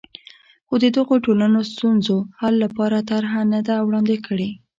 خو د دغو ټولنو ستونزو حل لپاره طرحه نه ده وړاندې کړې.